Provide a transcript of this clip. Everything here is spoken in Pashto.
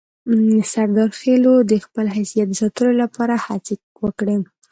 سردارخېلو د خپل حیثیت د ساتلو لپاره هڅې وکړې.